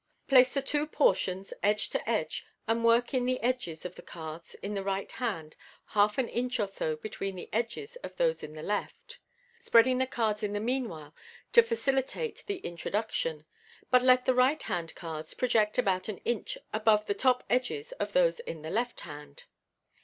Place the two portions edge to edge, and work in the edges of the cards in the right hand half an inch or so between the edges of those in the left, spreading the cards in the meanwhile to facilitate the intro duction ; but let the right hand cards project about an inch above the top edges of those in the left hand.